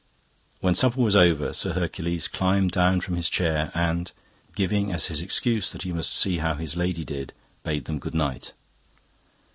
"When supper was over, Sir Hercules climbed down from his chair and, giving as his excuse that he must see how his lady did, bade them good night.